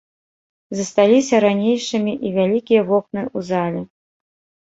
Засталіся ранейшымі і вялікія вокны ў зале.